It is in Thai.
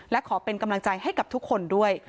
และขอเป็นกำลังใจให้กับทุกคนด้วย